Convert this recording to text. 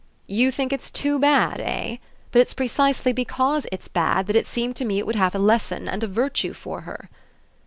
"You think it's too bad, eh? But it's precisely because it's bad that it seemed to me it would have a lesson and a virtue for her."